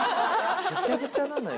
ぐちゃぐちゃなのよ。